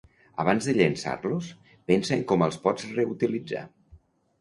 Abans de llençar-los, pensa en com els pots reutilitzar.